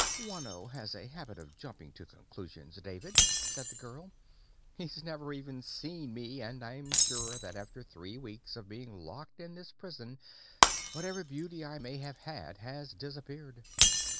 "Juano has a habit of jumping to conclusions, David," said the girl. "He's never even seen me, and I'm sure that after three weeks of being locked in this prison whatever beauty I may have had has disappeared."